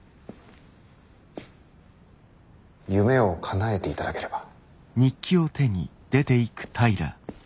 夢をかなえていただければ。